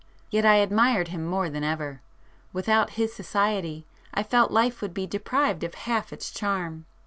Yet I admired him more than ever,—without his society I felt life would be deprived of half its charm.